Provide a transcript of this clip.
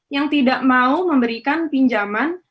yang tidak mau memberikan pinjaman